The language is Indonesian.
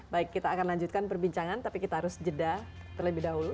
baik kita akan lanjutkan perbincangan tapi kita harus jeda terlebih dahulu